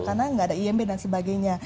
karena nggak ada imb dan sebagainya